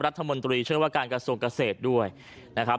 รัฐมนตรีช่วยว่าการกระทรวงเกษตรด้วยนะครับ